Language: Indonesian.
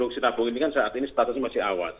kondisi sinabung ini kan saat ini statusnya masih awas